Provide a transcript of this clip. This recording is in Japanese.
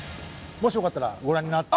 もしよかったらご覧になって。